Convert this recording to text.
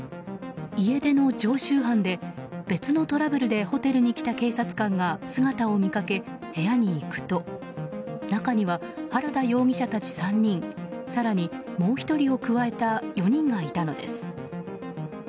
家出の常習犯で別のトラブルでホテルに来た警察官が姿を見かけ部屋に行くと中には原田容疑者たち３人更に、もう１人を加えた４人がいたのです。